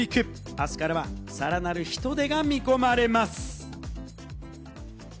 明日からは、さらなる人出が見込まれます。